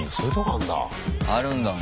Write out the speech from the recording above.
あるんだね。